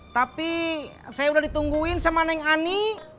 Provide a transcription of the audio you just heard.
tapi saya udah ditungguin sama neng ani